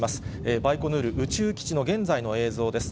バイコヌール宇宙基地の現在の映像です。